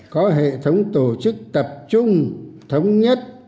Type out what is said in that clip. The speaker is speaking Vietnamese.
có hệ thống tổ chức tập trung thống nhất